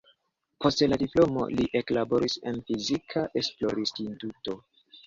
Post la diplomo li eklaboris en fizika esplorinstituto.